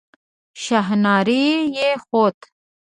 شڼهاری يې خوت.